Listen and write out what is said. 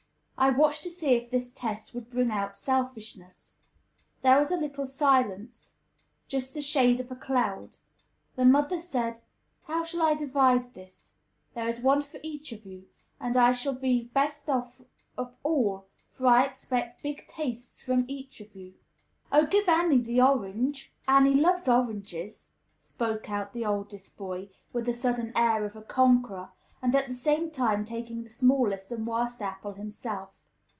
I watched to see if this test would bring out selfishness. There was a little silence; just the shade of a cloud. The mother said, "How shall I divide this? There is one for each of you; and I shall be best off of all, for I expect big tastes from each of you." "Oh, give Annie the orange. Annie loves oranges," spoke out the oldest boy, with a sudden air of a conqueror, and at the same time taking the smallest and worst apple himself.